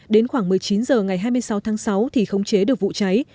đến khoảng một mươi chín h ngày hai mươi sáu tháng sáu thì không chế được vụ cháy